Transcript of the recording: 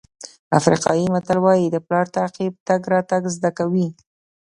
افریقایي متل وایي د پلار تعقیب تګ راتګ زده کوي.